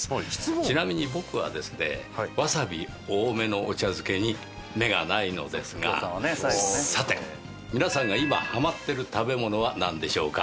ちなみに僕はですねわさび多めのお茶漬けに目がないのですがさて皆さんが今ハマってる食べ物はなんでしょうか？